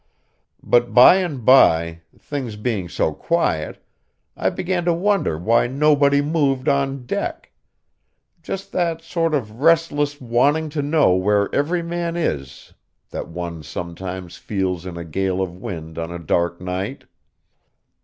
But by and by, things being so quiet, I began to wonder why nobody moved on deck; just that sort of restless wanting to know where every man is that one sometimes feels in a gale of wind on a dark night.